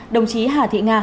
đồng chí hà thị nga